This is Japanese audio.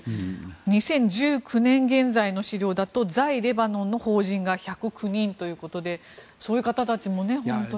２０１９年現在の資料だと在レバノンの邦人が１０９人ということでそういう方たちも本当に。